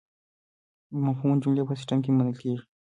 بامفهومه جملې په سیسټم کې منل کیږي.